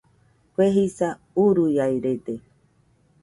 Kue jisa uruiaɨrede